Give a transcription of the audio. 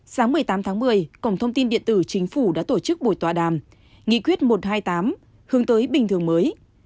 sáng một mươi tám tháng một mươi cổng thông tin điện tử chính phủ đã tổ chức buổi tòa đàm nghị quyết một trăm hai mươi tám hướng tới bình thường mới